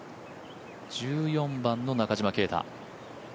１４番の中島啓太